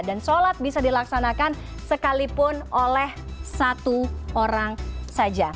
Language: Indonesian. dan sholat bisa dilaksanakan sekalipun oleh satu orang saja